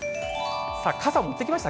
さあ、傘持ってきました？